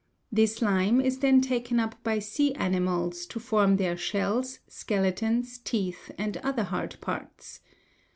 This lime is then taken up by sea animals to form their shells, skeletons, teeth, and other hard parts.